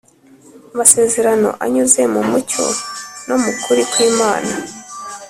masezerano anyuze mu mucyo no mu kuri kwimana